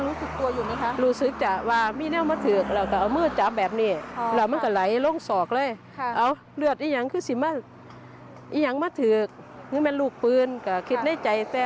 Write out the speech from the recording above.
รู้สึกอยากเอาเรื่องหรืออยากอะไรกับคนที่ทำแบบนี้ไหม